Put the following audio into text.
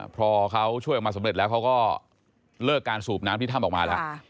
พอเขาช่วยออกมาสำเร็จแล้วเขาก็เลิกการสูบน้ำที่ถ้ำออกมาแล้ว